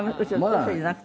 ウソじゃなくて。